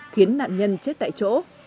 khiến nạn nhân chết tại chỗ